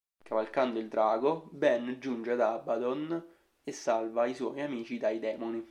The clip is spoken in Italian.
Cavalcando il drago Ben giunge ad Abaddon e salva i suoi amici dai demoni.